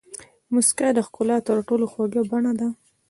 موسکا د ښکلا تر ټولو خوږه بڼه ده.